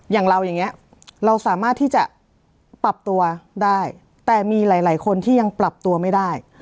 อย่างเราอย่างนี้เราสามารถที่จะปรับตัวได้แต่มีหลายคนที่ยังปรับตัวไม่ได้